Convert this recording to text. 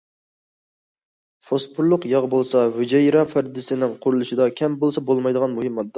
فوسفورلۇق ياغ بولسا ھۈجەيرە پەردىسىنىڭ قۇرۇلۇشىدا كەم بولسا بولمايدىغان مۇھىم ماددا.